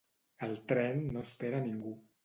El tren no espera a ningú.